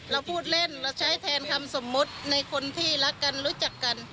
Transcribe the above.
เราพูดเล่นเราใช้แทนคำสมมุติในคนที่รักกันรู้จักกัน